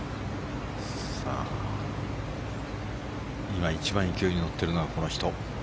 今一番勢いに乗ってるのがこの人。